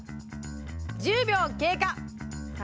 １０秒経過さあ